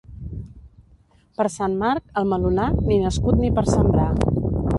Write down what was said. Per Sant Marc, el melonar, ni nascut ni per sembrar.